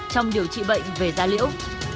trong điều trị bệnh về da liễu